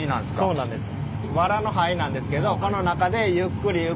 そうなんです。